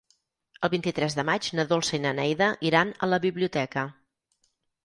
El vint-i-tres de maig na Dolça i na Neida iran a la biblioteca.